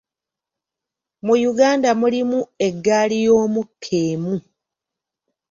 Mu Uganda mulimu eggaali y’omukka emu.